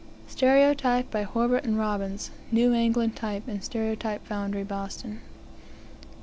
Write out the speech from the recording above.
Stereotyped by HOBART & ROBBINS; New England Type and Stereotype Foundery, BOSTON.